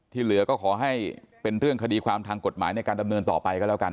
เหลือก็ขอให้เป็นเรื่องคดีความทางกฎหมายในการดำเนินต่อไปก็แล้วกัน